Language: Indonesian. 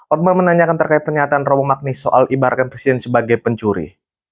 okn menanyakan terkait pernyataan robo magni soal ibaratkan presiden sebagai pencuri